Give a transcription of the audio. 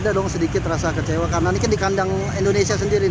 ada dong sedikit rasa kecewa karena ini kan di kandang indonesia sendiri